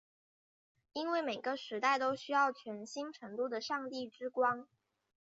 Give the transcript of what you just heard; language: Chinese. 因为每个时代都需要全新程度的上帝之光。